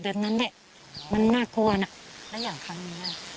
แบบนั้นแหละมันน่ากลัวน่ะแล้วอย่างครั้งนี้